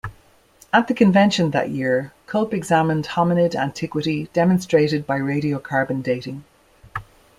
At the convention that year, Kulp examined hominid antiquity demonstrated by radiocarbon dating.